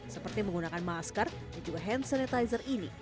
seperti menggunakan masker dan juga hand sanitizer ini